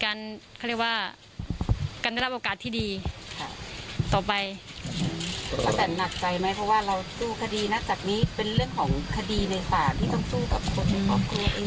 จากนี้เป็นเรื่องของคดีในศาลที่ต้องสู้กับคนของครัวเอง